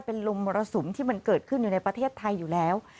เป็นลมมรสุมที่มันเกิดขึ้นอยู่ในประเทศไทยอยู่แล้ว